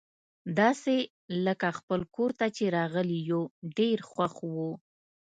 داسي لکه خپل کور ته چي راغلي یو، ډېر خوښ وو.